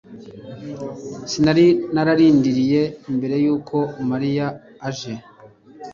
Sinari narindiriye mbere yuko Mariya aje